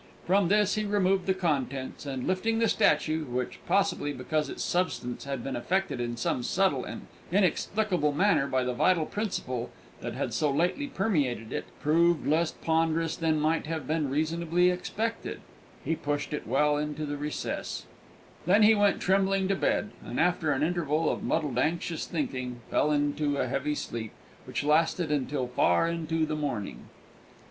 From this he removed the contents, and lifting the statue, which, possibly because its substance had been affected in some subtle and inexplicable manner by the vital principle that had so lately permeated it, proved less ponderous than might have been reasonably expected, he pushed it well into the recess, and turned the key on it. Then he went trembling to bed, and, after an interval of muddled, anxious thinking, fell into a heavy sleep, which lasted until far into the morning.